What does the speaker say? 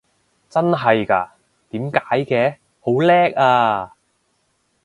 真係嘎？點解嘅？好叻啊！